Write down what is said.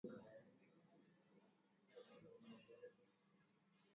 haya labda kifo chake kimezumziwaje hu